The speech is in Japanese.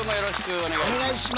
お願いします！